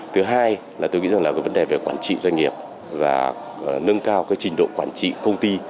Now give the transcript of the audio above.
thứ hai là tôi nghĩ rằng là cái vấn đề về quản trị doanh nghiệp và nâng cao cái trình độ quản trị công ty